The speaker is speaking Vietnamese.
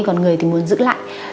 còn người thì muốn giữ lại